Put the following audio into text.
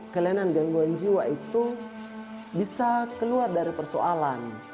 kelainan gangguan jiwa itu bisa keluar dari persoalan